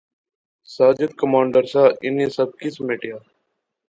ساجد کمانڈر سا، انی سب کی سمیٹیا